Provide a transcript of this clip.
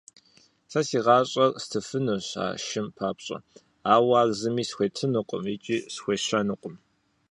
Сэ си гъащӀэр стыфынущ а шым папщӀэ, ауэ ар зыми схуетынукъым икӀи схуещэнукъым.